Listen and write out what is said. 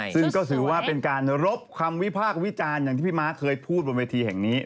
ซึ่งก็ถือว่าเป็นการรบคำวิพากษ์วิจารณ์อย่างที่พี่ม้าเคยพูดบนเวทีแห่งนี้